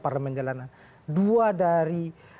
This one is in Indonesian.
parlement jalanan dua dari